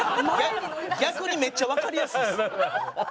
逆にめっちゃわかりやすいです。